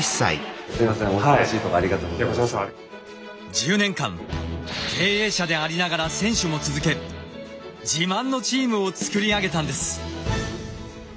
１０年間経営者でありながら選手も続け自慢のチームをつくり上げたんです。